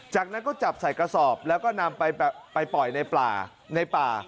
จากนั้นก็จับใส่กระสอบแล้วก็นำไปปล่อยในป่าในป่า